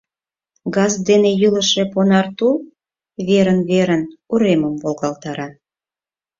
Газ дене йӱлышӧ понар тул верын-верын уремым волгалтара.